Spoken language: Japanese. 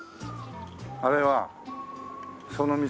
あれはその店。